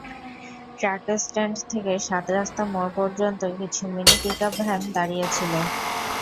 Truck stand থেকে সাত রাস্তা মোড় পর্যন্ত কিছু মিনি পিকআপ ভ্যান দাঁড়িয়ে ছিল।